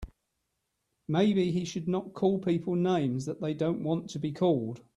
Maybe he should not call people names that they don't want to be called.